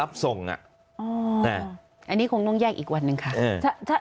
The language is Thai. อันนี้คงต้องแยกอีกวันหนึ่งค่ะ